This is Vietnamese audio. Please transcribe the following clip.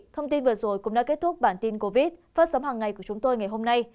thông tin vừa rồi cũng đã kết thúc bản tin covid phát sóng hàng ngày của chúng tôi ngày hôm nay